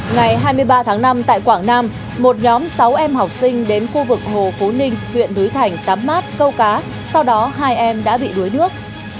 ngày hai mươi ba tháng năm tại quảng nam một nhóm sáu em học sinh đến khu vực hồ phú ninh huyện núi thành tắm mát câu cá sau đó hai em đã bị đuối nước